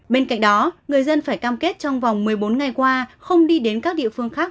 bên cạnh đó người dân phải cam kết trong vòng một mươi bốn ngày qua không đi đến các địa phương khác